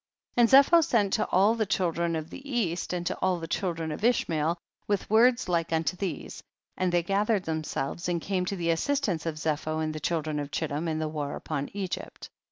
15. And Zepho sent to all the chil dren of the east and to all the chil dren of Ishmael with words like unto these, and they gathered themselves and came to the assistance of Zepho and the children of Chittim in the war upon Egypt.